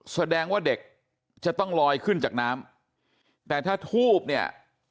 แสดงว่าเด็กจะต้องลอยขึ้นจากน้ำแต่ถ้าทูบเนี่ย